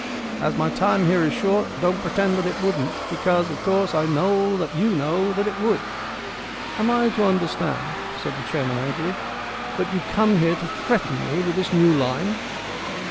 As my time here is short, don't pretend that it wouldn't, because, of course, I know that you know that it would." "Am I to understand," said the chairman, angrily, "that you come here to threaten me with this new line?"